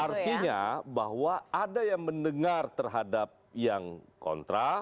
artinya bahwa ada yang mendengar terhadap yang kontra